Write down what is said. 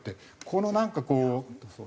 このなんかこう。